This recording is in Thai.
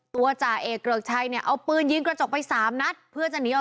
ตัวจาเอเกิรกชัยเนี่ยเอาปืนยิงกระจกไป๓นัดเพื่อจะหนีออก